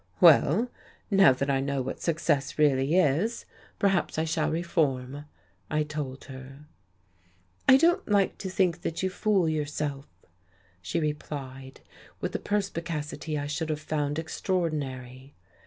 "Well, now that I know what success really is, perhaps I shall reform," I told her. "I don't like to think that you fool yourself," she replied, with a perspicacity I should have found extraordinary.